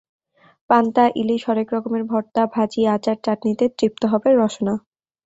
পান্তা, ইলিশ, হরেক রকমের ভর্তা, ভাজি, আচার, চাটনিতে তৃপ্ত হবে রসনা।